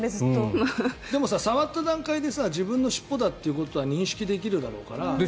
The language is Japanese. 触った段階で自分の尻尾だということは認識できるだろうから。